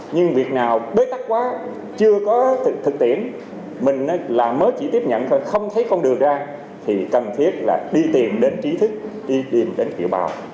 nhưng việc nào đối tắc quá chưa có thực tiễn mình mới chỉ tiếp nhận thôi không thấy con đường ra thì cần thiết là đi tìm đến trí thức đi tìm đến kiều bào